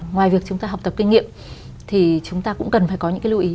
ngoài việc chúng ta học tập kinh nghiệm thì chúng ta cũng cần phải có những cái lưu ý